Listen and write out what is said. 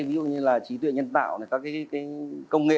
ví dụ như là trí tuệ nhân tạo các công nghệ